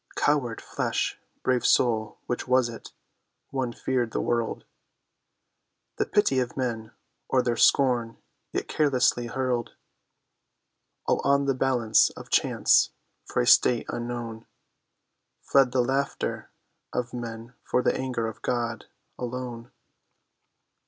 Coward flesh, brave soul, which was it? One feared the world, The pity of men, or their scorn; yet carelessly hurled All on the balance of Chance for a state unknown; Fled the laughter of men for the anger of God—alone.